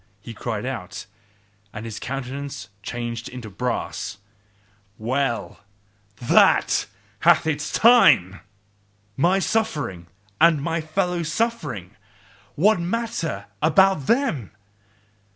he cried out, and his countenance changed into brass. "Well! THAT hath had its time! My suffering and my fellow suffering what matter about them!